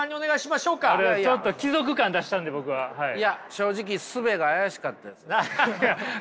正直「術」が怪しかったですよ。